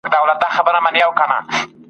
د دوو وروڼو تر مابین جوړه جگړه وه !.